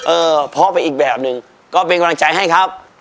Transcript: เออเพราะไปอีกแบบหนึ่งก็เป็นกำลังใจให้ครับ